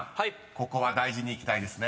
ここは大事にいきたいですね］